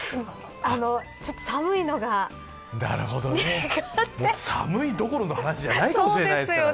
ちょっと寒いのが寒いどころの話ではないかもしれませんからね。